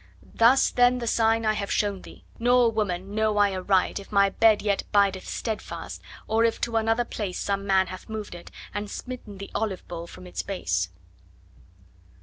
Thus then the sign I have shown thee; nor, woman, know I aright If my bed yet bideth steadfast, or if to another place Some man hath moved it, and smitten the olive bole from its base.'